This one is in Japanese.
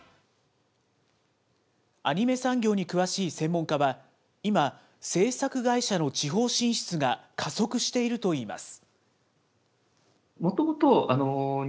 アニメ産業に詳しい専門家は、今、制作会社の地方進出が加速しているといいます。